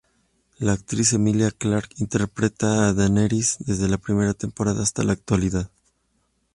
La actriz Emilia Clarke interpreta a Daenerys desde la primera temporada hasta la actualidad.